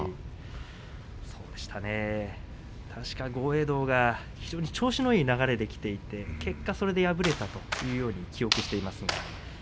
確か豪栄道が調子のいい流れできていて結果、敗れたというふうに記憶しています。